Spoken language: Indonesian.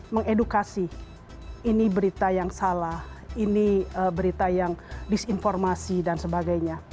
mengedukasi ini berita yang salah ini berita yang disinformasi dan sebagainya